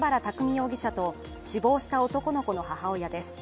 容疑者と死亡した男の子の母親です。